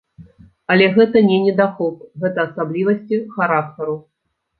Але гэта не недахоп, гэта асаблівасці характару.